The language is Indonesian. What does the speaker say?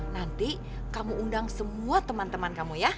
nanti kamu undang semua teman teman kamu ya